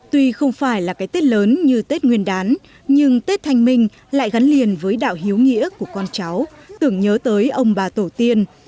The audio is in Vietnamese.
tuy không phải là cái tết lớn như tết nguyên đán nhưng tết thanh minh lại gắn liền với đạo hiếu nghĩa của con cháu tưởng nhớ tới ông bà tổ tiên